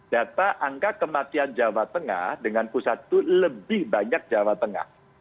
data angka kematian jawa tengah dengan pusat itu lebih banyak jawa tengah